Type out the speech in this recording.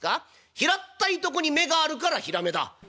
「平ったいとこに目があるからひらめだ」。